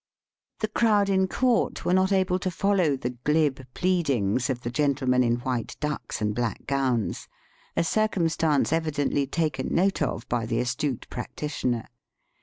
The crowd in court were not able to follow the ghb pleadings of the gentlemen in white ducks and black gowns; a circumstance evidently taken note of by the astute practi tioner.